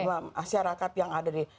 masyarakat yang ada di